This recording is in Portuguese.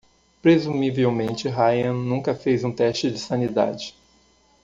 Presumivelmente, Ryan nunca fez nenhum teste de sanidade.